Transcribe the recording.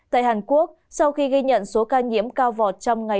tại hàn quốc sau khi ghi nhận số ca nhiễm cao vọt trong ngày